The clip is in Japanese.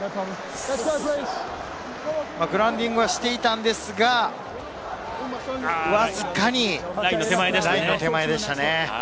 グラウンディングはしていたんですが、わずかにラインの手前でしたね。